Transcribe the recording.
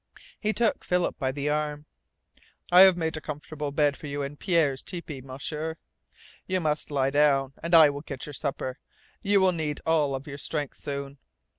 He took Philip by the arm. "I have made a comfortable bed for you in Pierre's tepee, M'sieur. You must lie down, and I will get your supper. You will need all of your strength soon."